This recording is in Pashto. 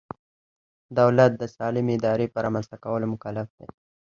دولت د سالمې ادارې په رامنځته کولو مکلف دی.